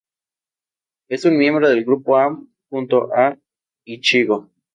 Es un miembro del grupo A, junto a Ichigo.